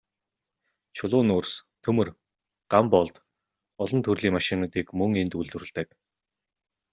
Чулуун нүүрс, төмөр, ган болд, олон төрлийн машинуудыг мөн энд үйлдвэрлэдэг.